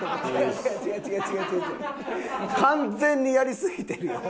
完全にやりすぎてるよ。